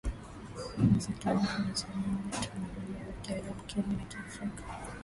Muziki huu unachanganya tamaduni za Kiarabu Kihindi na Kiafrika